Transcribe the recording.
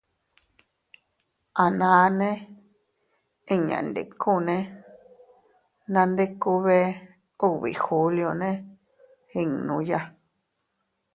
Ananne inña ndikune, nandiku bee ubi julione innuya.